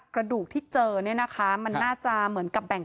กระดูกที่เจอเนี่ยนะคะมันน่าจะเหมือนกับแบ่ง